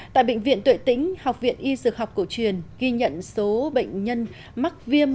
tại bệnh viện tuệ tĩnh học viện y dược học cổ truyền ghi nhận số bệnh nhân mắc viêm